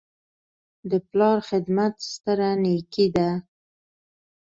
د پلار خدمت ستره نیکي ده.